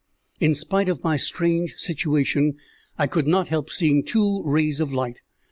In spite of my strange situation, I could not help seeing two rays of light.